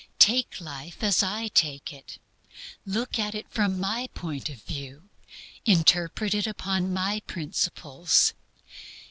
Take life as I take it. Look at it from My point of view. Interpret it upon My principles.